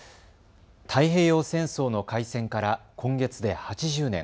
太平洋戦争の開戦から今月で８０年。